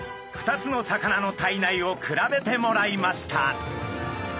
２つの魚の体内を比べてもらいました。